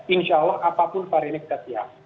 insya allah apapun variannya kita siap